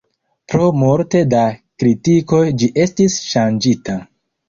Pro multe da kritiko ĝi estis ŝanĝita.